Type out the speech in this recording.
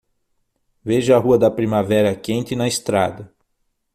Veja a rua da primavera quente na estrada